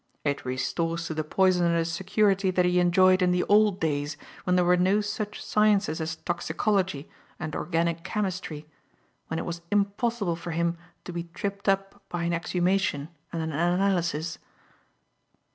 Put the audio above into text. It restores to the poisoner the security that he enjoyed in the old days when there were no such sciences as toxicology and organic chemistry, when it was impossible for him to be tripped up by an exhumation and an analysis."